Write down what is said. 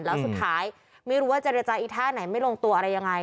แล้วสุดท้ายไม่รู้ว่าเจรจาอีท่าไหนไม่ลงตัวอะไรยังไง